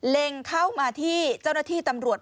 เล็งเข้ามาที่เจ้าหน้าที่ตำรวจ